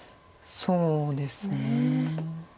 そうですね。